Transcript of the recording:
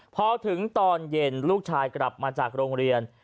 พอถึงตอนเย็นลูกชายกลับมาจากโรงเรียน